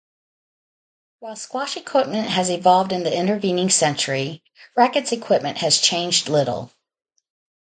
While squash equipment has evolved in the intervening century, rackets equipment has changed little.